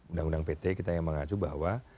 undang undang pt kita yang mengacu bahwa